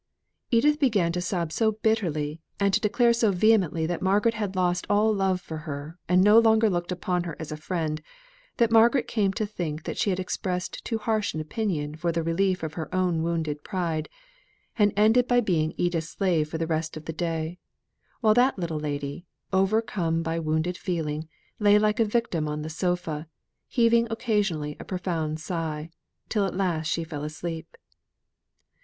Edith began to sob so bitterly, and to declare so vehemently that Margaret had lost all love for her, and no longer looked upon her as a friend, that Margaret came to think that she had expressed too harsh an opinion for the relief of her own wounded pride, and ended by being Edith's slave for the rest of the day; while that little lady, overcome by wounded feeling, lay like a victim on the sofa, heaving occasionally a profound sigh, till at last she fell asleep.